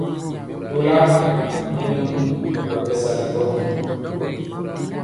Tɔlar bubuli nyɛmemɔ rikolo bɛsali ŋgomnaŋ.